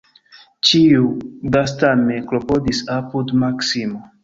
Ĉiuj gastame klopodis apud Maksimo.